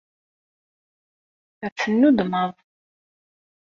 Ad tennuddmeḍ.